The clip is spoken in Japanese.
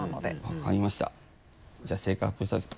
分かりましたじゃあ正解を発表します。